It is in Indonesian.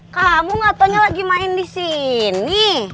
kamu gatau nya lagi main di sini